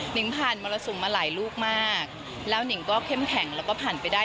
นิงผ่านมรสุมมาหลายลูกมากแล้วนิงก็เข้มแข็งแล้วก็ผ่านไปได้